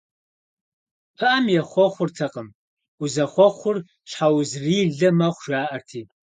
Пыӏэм ехъуэхъуртэкъым, узэхъуэхъур щхьэузрилэ мэхъу, жаӏэрти.